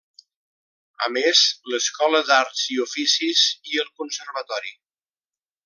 A més, l'escola d'Arts i Oficis i el Conservatori.